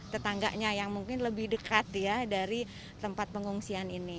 tetangganya yang mungkin lebih dekat ya dari tempat pengungsi